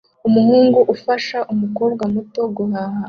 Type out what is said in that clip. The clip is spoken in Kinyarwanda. Umuhungu ufasha umukobwa muto guhuha